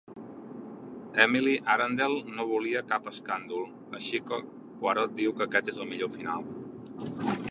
Emily Arundell no volia cap escàndol, així que Poirot diu que aquest és el millor final.